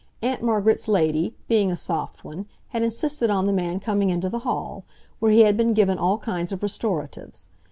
Aunt Margaret's lady, being a soft one, had insisted on the man coming into the hall, where he had been given all kinds of restoratives.